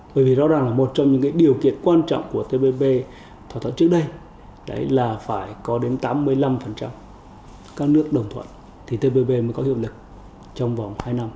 bởi vì rõ ràng là một trong những điều kiện quan trọng của tbp thỏa thuận trước đây là phải có đến tám mươi năm các nước đồng thuận thì tbp mới có hiệu lực trong vòng hai năm